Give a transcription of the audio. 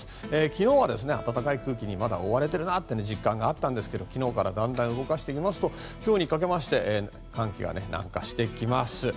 気温は暖かい空気にまだ覆われているなという実感があったんですが昨日からだんだん動かしますと今日にかけまして寒気が南下してきます。